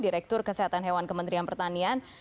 direktur kesehatan hewan kementerian pertanian